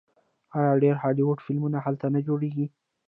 آیا ډیر هالیوډ فلمونه هلته نه جوړیږي؟